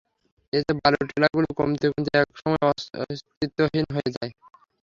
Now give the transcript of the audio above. এতে বালুর টিলাগুলো কমতে কমতে এক সময় অস্তিত্বহীন হয়ে যায়।